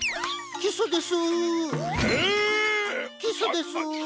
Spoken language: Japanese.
キスです！